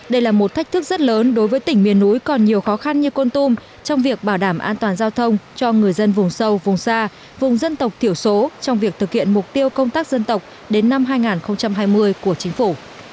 đây là một thách thức rất lớn đối với tỉnh miền núi còn nhiều khó khăn như con tum trong việc bảo đảm an toàn giao thông cho người dân vùng sâu vùng xa vùng dân tộc thiểu số trong việc thực hiện mục tiêu công tác dân tộc đến năm hai nghìn hai mươi của chính phủ